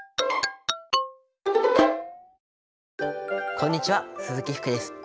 こんにちは鈴木福です。